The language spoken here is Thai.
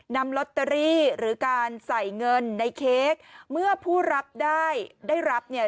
นำลอตเตอรี่หรือการใส่เงินในเค้กเมื่อผู้รับได้ได้รับเนี่ย